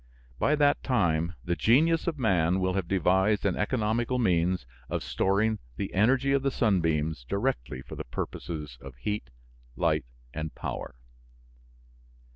By that time the genius of man will have devised an economical means of storing the energy of the sunbeams directly for purposes of heat, light, and power.